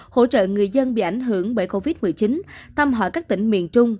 hỗ trợ người dân bị ảnh hưởng bởi covid một mươi chín thăm hỏi các tỉnh miền trung